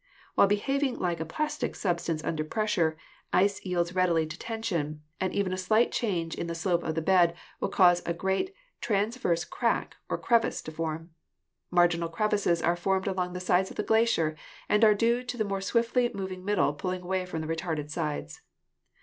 While behaving like a plastic sub stance under pressure, ice yields readily to tension, and DESTRUCTIVE AGENCIES 145 even a slight change in the slope of the bed will cause a great transverse crack, or crevasse, to form. Marginal crevasses are formed along the sides of the glacier and are due to the more swiftly moving middle pulling away from the retarded sides.